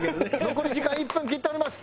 残り時間１分切っております。